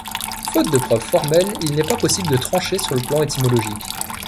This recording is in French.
Faute de preuves formelles il n'est pas possible de trancher sur le plan étymologique.